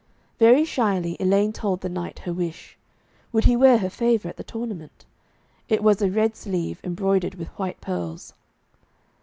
Very shyly Elaine told the knight her wish. Would he wear her favour at the tournament? It was a red sleeve, embroidered with white pearls.